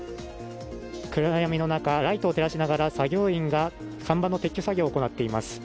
暗闇の中、ライトを照らしながら作業員が看板の撤去作業を行っています。